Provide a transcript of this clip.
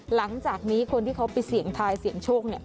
หลังจากนี้คนที่เขาไปเสี่ยงทายเสี่ยงโชคเนี่ย